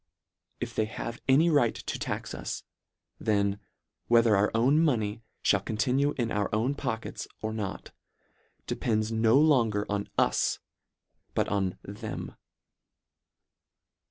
If they have any right to tax us, then, whether our own money (hall continue in our own pockets, or not, depends no long er on us, but on them.